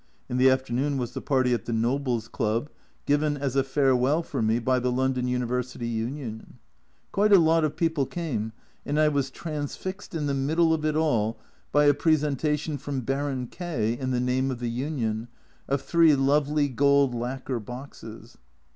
In the afternoon was the party at the Nobles Club, given as a farewell for me by the London University Union. Quite a lot of people came, and I was transfixed in the middle of it all by a presentation from Baron K , in the name of the Union, of three lovely gold lacquer boxes.